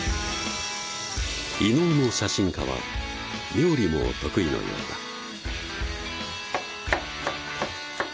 異能の写真家は料理も得意のようだ